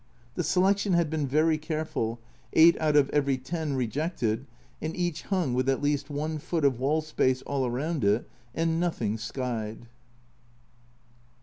The selection had been very careful, eight out of A Journal from Japan 61 every ten rejected, and each hung with at least i foot of wall space all round it, and nothing skied